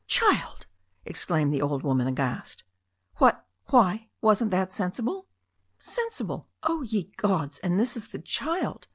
"Child!" exclaimed the old lady, aghast. "What — ^why — ^wasn't that sensible?" "Sensible! Oh, ye gods! And this is the child!